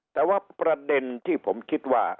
แต่ว่าประเด็นที่ผมคิดว่า